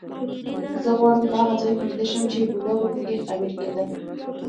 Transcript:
زه غواړم په هغه ځای کې ویده شم چې بوډا به پکې خمیر کېده.